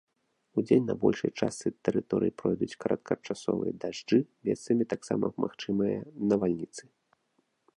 Удзень на большай частцы тэрыторыі пройдуць кароткачасовыя дажджы, месцамі таксама магчымыя навальніцы.